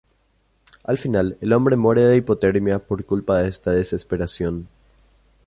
Al final, el hombre muere de hipotermia por culpa de esta desesperación.